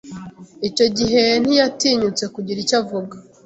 Icyo gihe ntiyatinyutse kugira icyo avuga.